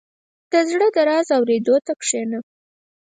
• د زړه د درزا اورېدو ته کښېنه.